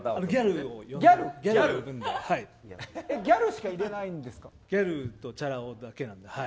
ギャルとチャラ男だけで。